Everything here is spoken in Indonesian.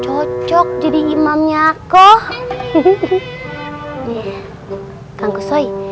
akhirnya makin sulka sama kangkusoy